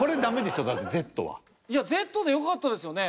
いやＺでよかったですよね。